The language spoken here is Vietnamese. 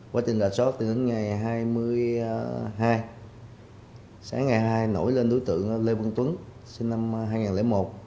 quá trình rà soát từ ngày hai mươi hai sáng ngày hai nổi lên đối tượng lê văn tuấn sinh năm hai nghìn một